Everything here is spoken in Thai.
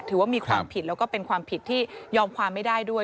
ถือว่ามีความผิดแล้วก็เป็นความผิดที่ยอมความไม่ได้ด้วย